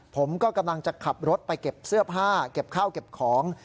ผมก็กำลังจะขับรถไปเก็บเสื้อผ้าเก็บข้าวเก็บของ